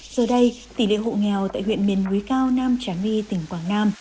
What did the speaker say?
giờ đây tỷ lệ hộ nghèo tại huyện miền quý cao nam trá my tỉnh quảng nam